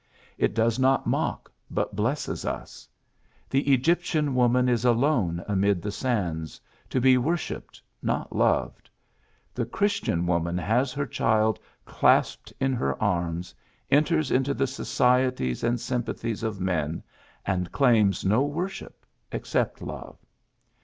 It does not mock, but blesses us. The Egyptian woman is alone amid the sands, to be worshipped, not loved. The Christian woman has her child clasped in her arms, enters into the societies and sympathies of men, and claims no worship except love.